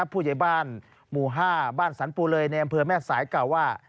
ผู้ใหญ่บ้านหมู่๕บ้านสรรปูเลยในอำเภอแม่สายกล่าวว่า